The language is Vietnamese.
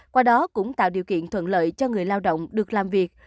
qua đó cũng tạo điều kiện thuận lợi cho người lao động được làm việc